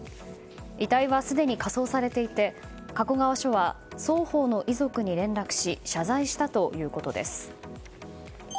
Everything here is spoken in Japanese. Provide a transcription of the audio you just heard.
遺体は、すでに火葬されていて加古川署は双方の遺族に連絡し謝罪したということです。